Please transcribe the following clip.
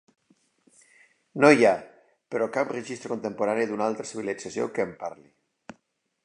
No hi ha, però, cap registre contemporani d'una altra civilització que en parli.